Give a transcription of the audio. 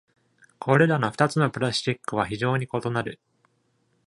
これらの二つのプラスチックは非常に異なる。